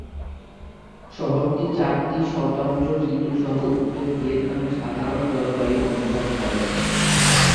শহরটি চারটি স্বতন্ত্র ঋতু সহ উত্তর ভিয়েতনামের সাধারণ জলবায়ু অনুভব করে।